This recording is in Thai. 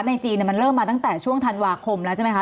จีนมันเริ่มมาตั้งแต่ช่วงธันวาคมแล้วใช่ไหมคะ